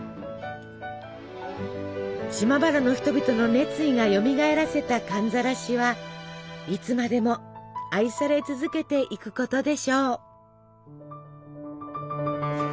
島原の人々の熱意がよみがえらせた寒ざらしはいつまでも愛され続けていくことでしょう。